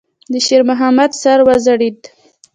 د شېرمحمد سر وځړېد.